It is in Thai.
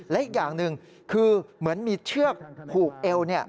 และอีกอย่างหนึ่งคือเหมือนมีเชือกผูกเอวเนี่ย